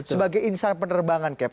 sebagai insan penerbangan cap